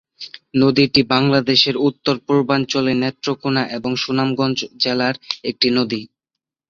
নদীটি বাংলাদেশের উত্তর-পূর্বাঞ্চলের নেত্রকোণা এবং সুনামগঞ্জ জেলার একটি নদী।